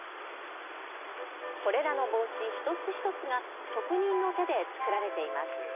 これらの帽子一つ一つが職人の手で作られています。